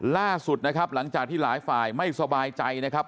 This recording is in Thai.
ล่าสุดนะครับหลังจากที่หลายฝ่ายไม่สบายใจนะครับ